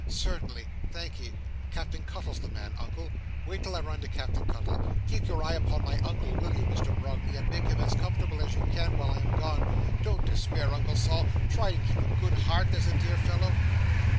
"Certainly! Thankee. Captain Cuttle's the man, Uncle. Wait till I run to Captain Cuttle. Keep your eye upon my Uncle, will you, Mr Brogley, and make him as comfortable as you can while I am gone? Don't despair, Uncle Sol. Try and keep a good heart, there's a dear fellow!"